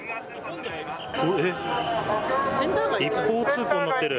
えっ、一方通行になってる。